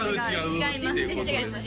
違います